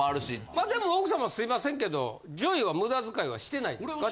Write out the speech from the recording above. まあでも奥様すいませんけどＪＯＹは無駄遣いはしてないんですか？